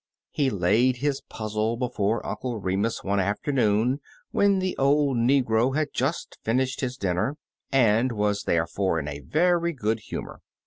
He laid his puzzle before Uncle Remus one aftemoon when the old negro had just fin ished his dinner, and was therefore in a very gpod humor.